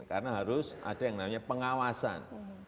karena harus ada yang namanya pengawasan